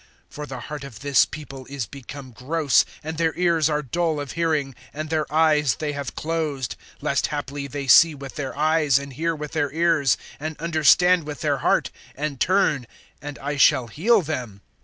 (15)For the heart of this people is become gross, And their ears are dull of hearing, And their eyes they have closed; Lest haply they see with their eyes, And hear with their ears, And understand with their heart, And turn, and I shall heal them.